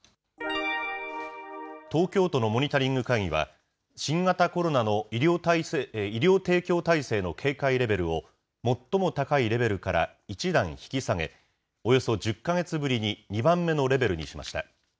東京都のモニタリング会議は、新型コロナの医療提供体制の警戒レベルを最も高いレベルから１段引き下げ、およそ１０か月ぶりに２番目のレベルにしました。